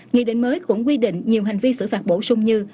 nghị định mới cũng quy định nhiều hành vi xử phạt bổ sung như